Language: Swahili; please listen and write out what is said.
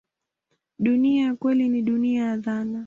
Dunia ya kweli ni dunia ya dhana.